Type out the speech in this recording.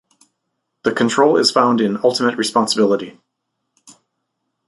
The control is found in "ultimate responsibility".